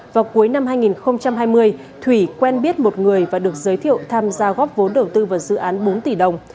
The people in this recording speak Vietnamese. vào cuối năm hai nghìn hai mươi thủy quen biết một người và được giới thiệu tham gia góp vốn đầu tư vào dự án bốn tỷ đồng